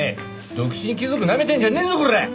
独身貴族なめてんじゃねえぞコラッ！